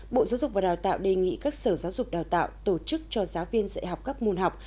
bộ giáo dục và đào tạo đề nghị các sở giáo dục đào tạo tổ chức cho giáo viên dạy học các môn học